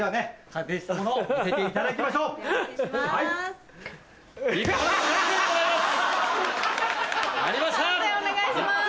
判定お願いします。